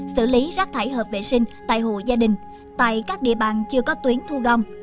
xử lý rác thải hợp vệ sinh tại hộ gia đình tại các địa bàn chưa có tuyến thu gom